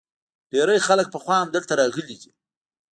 ډیری خلک پخوا هم دلته راغلي دي